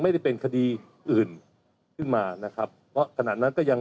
ไม่ได้เป็นคดีอื่นขึ้นมานะครับเพราะขณะนั้นก็ยัง